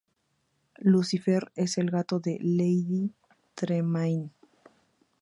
Lucifer es el gato de Lady Tremaine.